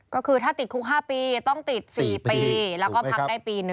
ก็คือถ้าติดคุก๕ปีต้องติด๔ปีแล้วก็พักได้ปี๑